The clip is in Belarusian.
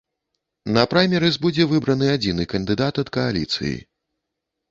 На праймерыз будзе выбраны адзіны кандыдат ад кааліцыі.